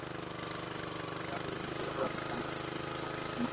Hayo yalikuwemo katika Hotuba ya Dokta Ali Mohammed Shein